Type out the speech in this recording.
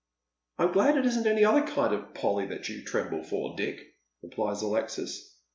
" I'm glad it isn't any other kind of Polly you tremble for, Dick," replies Alexis.